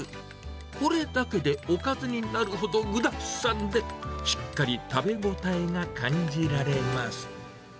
これだけでおかずになるほど具だくさんで、しっかり食べ応えが感じられます。